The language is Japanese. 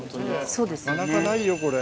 なかなかないよこれ。